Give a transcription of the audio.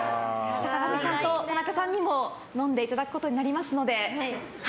坂上さんと田中さんにも飲んでいただくことになりますので。